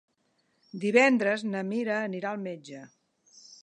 Divendres na Mira anirà al metge.